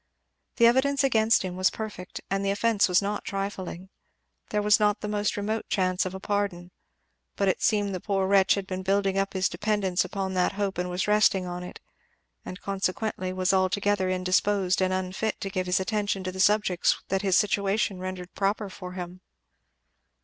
The evidence against him was perfect and the offence was not trifling there was not the most remote chance of a pardon, but it seemed the poor wretch had been building up his dependence upon that hope and was resting on it; and consequently was altogether indisposed and unfit to give his attention to the subjects that his situation rendered proper for him.